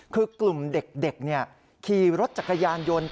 คือกลุ่มเด็กขี่รถจักรยานยนต์